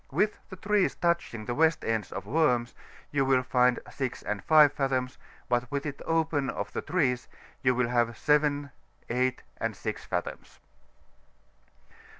With the trees touching the west ends of Worms, you will find 6 and 5 fathoms, but with it open of the trees you will have 7, 8, and 6 fathoms.